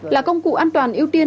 là công cụ an toàn ưu tiên